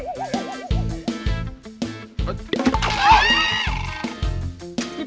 มาเชิญ